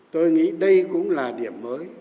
tôi nghĩ đây cũng là điểm mới